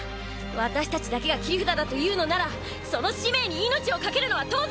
私たちだけが切り札だというのならその使命に命を懸けるのは当然だ！